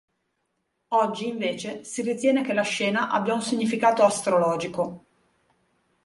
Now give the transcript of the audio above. Oggi, invece, si ritiene che la scena abbia un significato astrologico.